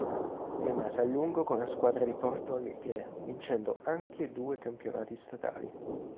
Rimase a lungo con la squadra di Porto Alegre, vincendo anche due campionati statali.